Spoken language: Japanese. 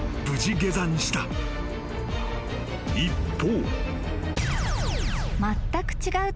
［一方］